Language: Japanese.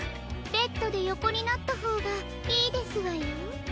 ベッドでよこになったほうがいいですわよ。